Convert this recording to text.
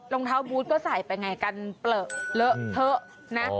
รองเท้าบูธก็ใส่ไปไงกันเปลอะเลอะเทอะนะ